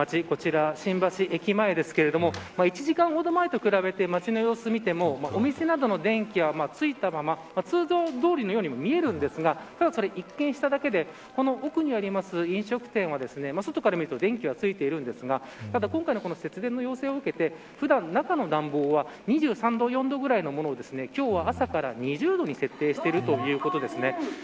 こちら、新橋駅前ですけど１時間ほど前と比べて街の様子を見てもお店などの電気はついたまま通常どおりのようにも見えるんですがただ一見しただけで奥にある飲食店は外から見ると電気がついているんですが今回の節電の要請を受けて普段、中の暖房は２３度、２４度ぐらいのものを今日は朝から２０度に設定しているということです。